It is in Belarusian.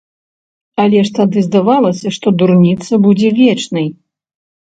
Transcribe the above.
Але ж тады здавалася, што дурніца будзе вечнай.